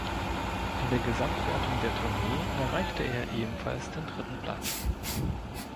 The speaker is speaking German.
In der Gesamtwertung der Tournee erreichte er ebenfalls den dritten Platz.